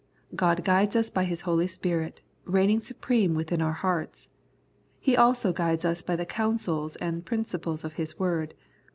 God guides us by His Spirit, reigning supreme within our hearts. He also guides us by the counsels and principles of His Word.